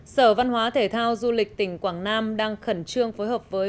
sở văn hóa thể thao du lịch tỉnh quảng nam đang khẩn trương phối hợp với